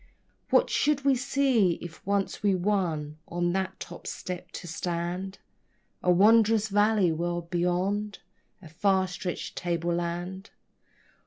What should we see, if once we won on that top step to stand? A wondrous valley world beyond? A far stretched tableland?